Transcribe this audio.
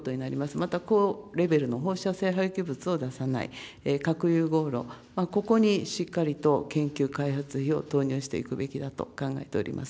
また高レベルの放射性廃棄物を出さない核融合炉、ここにしっかりと、研究開発費を投入していくべきだと考えております。